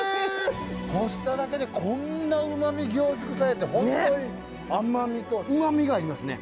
干しただけでこんなうまみ凝縮されて本当に甘みとうまみがありますね。